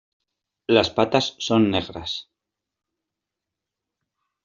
Las patas son negras.